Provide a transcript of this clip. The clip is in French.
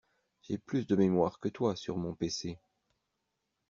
J'ai plus de mémoire que toi sur mon pc.